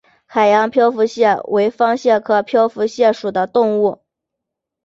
海洋漂浮蟹为方蟹科漂浮蟹属的动物。